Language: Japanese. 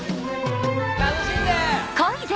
楽しんで！